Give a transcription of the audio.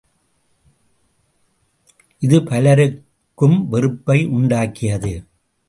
இது பலருக்கும் வெறுப்பை உண்டாக்கியது.